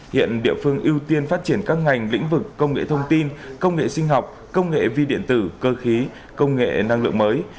hiện địa phương ưu tiên phát triển các ngành lĩnh vực công nghệ thông tin công nghệ sinh học công nghệ vi điện tử cơ khí công nghệ năng lượng mới